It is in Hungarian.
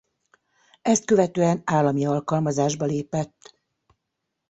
Ezt követően állami alkalmazásba lépett.